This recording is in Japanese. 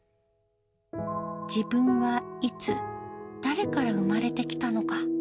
自分はいつ、誰から産まれてきたのか。